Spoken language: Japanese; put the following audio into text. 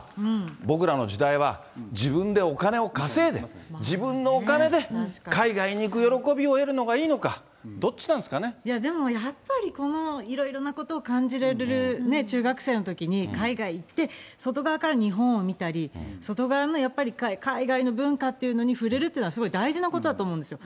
僕らの時代は自分でお金を稼いで、自分のお金で海外に行く喜びを得るのがいいのか、どっちなんですでもやっぱり、いろいろなことを感じれる中学生のときに海外行って、外側から日本を見たり、外側のやっぱり海外の文化っていうのに触れるっていうのはすごい大事なことだと思うんですよ。